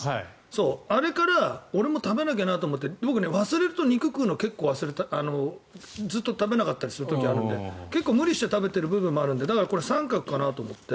あれから俺も食べなきゃなと思って僕、忘れると肉食べるのずっと食べなかったりする時があるので結構無理して食べている部分があるのでこれは三角かなと思って。